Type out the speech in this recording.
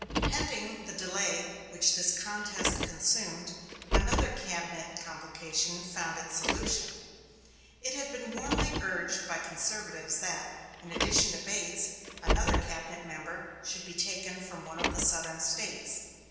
Pending the delay which this contest consumed, another cabinet complication found its solution. It had been warmly urged by conservatives that, in addition to Bates, another cabinet member should be taken from one of the Southern States.